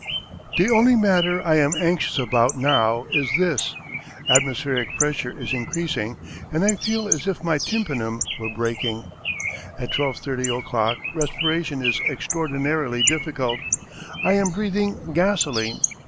The only matter I am anxious about now is this. Atmospheric pressure is increasing, and I feel as if my tympanum were breaking. At 12.30 o'clock respiration is extraordinarily difficult. I am breathing gasoline.